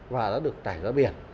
và đã được chảy ra biển